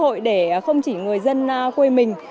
và một cơ hội để không chỉ người dân quê mình